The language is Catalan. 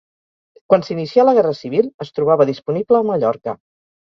Quan s'inicià la Guerra Civil es trobava disponible a Mallorca.